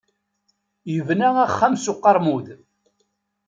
Yebna axxam s uqeṛmud.